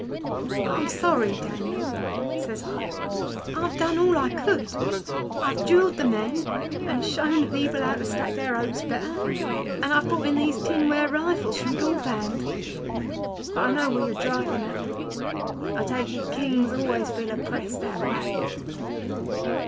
"'I'm sorry, Daniel,' says I. 'I've done all I could. I've drilled the men and shown the people how to stack their oats better, and I've brought in those tinware rifles from Ghorband—but I know what you're driving at. I take it Kings always feel oppressed that way.